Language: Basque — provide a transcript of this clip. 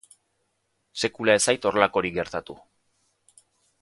Sekula ez zait horrelakorik gertatu.